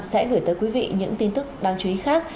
sẽ gửi tới quý vị những tin tức đáng chú ý khác